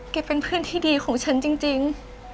เป็นเพื่อนที่ดีของฉันจริง